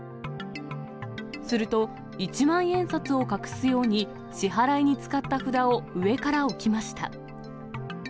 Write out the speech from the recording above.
すると、一万円札を隠すように、支払いに使った札を上から置きました。